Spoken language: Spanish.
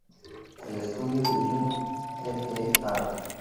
El estudio de Jung "et al.